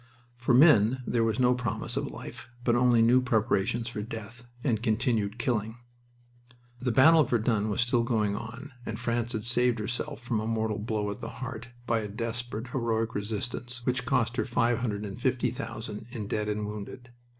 For men there was no promise of life, but only new preparations for death, and continued killing. The battle of Verdun was still going on, and France had saved herself from a mortal blow at the heart by a desperate, heroic resistance which cost her five hundred and fifty thousand in dead and wounded.